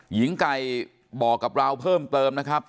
หญิงไก่บอกกับเราเพิ่มเติมนะครับ